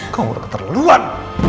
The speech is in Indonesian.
kamu udah keterlaluan